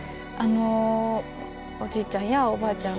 おじいちゃんやおばあちゃん